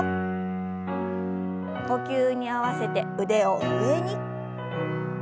呼吸に合わせて腕を上に。